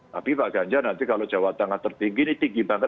tapi pak ganjar nanti kalau jawa tengah tertinggi ini tinggi banget